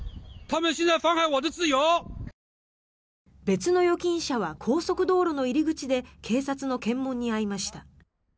別の預金者は高速道路の入り口で警察の検問に遭いました。